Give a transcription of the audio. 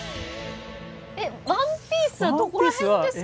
で「ワンピース」はどこら辺ですか？